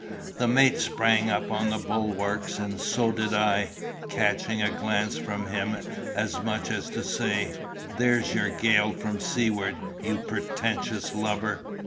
The mate sprang up on the bulwarks, and so did I—catching a glance from him, as much as to say, 'There's your gale from seaward, you pretentious lubber!